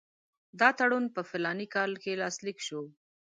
دا تړون په فلاني کال کې لاسلیک شو.